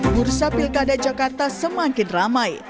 bursa pilkada jakarta semakin ramai